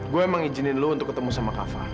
gue emang izinin lu untuk ketemu sama kava